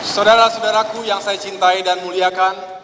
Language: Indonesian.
saudara saudaraku yang saya cintai dan muliakan